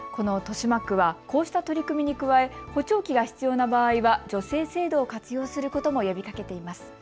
豊島区はこうした取り組みに加え補聴器が必要な場合は助成制度を活用することも呼びかけています。